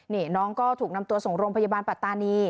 นี่น้องก็ถูกนำตัวส่งโรงพยาบาลปัตตานี